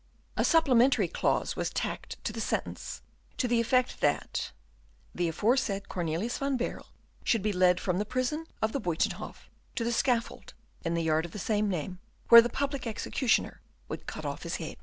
A supplementary clause was tacked to the sentence, to the effect that "the aforesaid Cornelius van Baerle should be led from the prison of the Buytenhof to the scaffold in the yard of the same name, where the public executioner would cut off his head."